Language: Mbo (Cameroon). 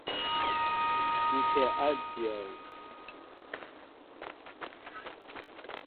Ŋ kɛ a dion.